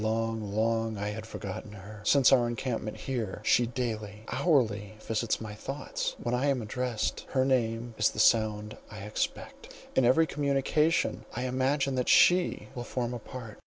Long, long I had forgotten her. Since our encampment here, she daily, hourly visits my thoughts. When I am addressed, her name is the sound I expect: in every communication, I imagine that she will form a part.